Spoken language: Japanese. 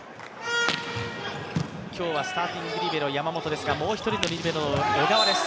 今日はスターティングリベロ山本ですが、もう一人のリベロ・小川です。